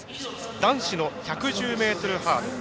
男子の１１０ｍハードル。